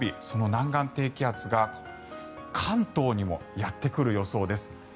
その南岸低気圧が関東にもやってくる予想です。